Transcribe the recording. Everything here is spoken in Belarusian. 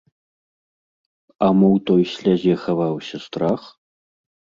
А мо ў той слязе хаваўся страх?